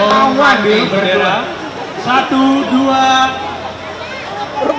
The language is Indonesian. mau ngambil bendera